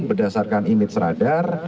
berdasarkan image radar